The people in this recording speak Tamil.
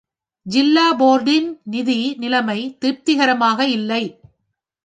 ஜில்லா போர்டின் நிதி நிலைமை திருப்திகரமாக இல்லை.